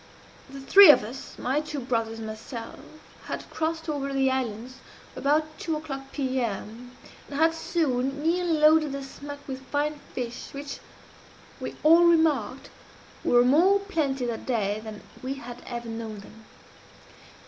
"The three of us my two brothers and myself had crossed over to the islands about two o'clock P.M., and soon nearly loaded the smack with fine fish, which, we all remarked, were more plenty that day than we had ever known them.